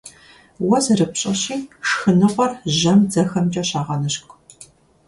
Уэ зэрыпщӀэщи, шхыныгъуэр жьэм дзэхэмкӀэ щагъэныщкӀу.